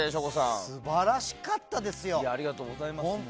素晴らしかったですよ！